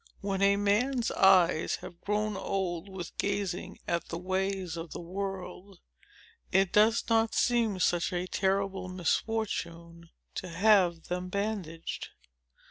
When a man's eyes have grown old with gazing at the ways of the world, it does not seem such a terrible misfortune to have them bandaged.